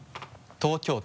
「東京都」？